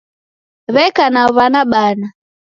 W'eka na w'ana bana.